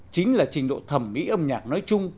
chính là trình độ thẩm mỹ âm nhạc nói chung